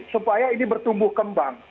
supaya ini bertumbuh kembang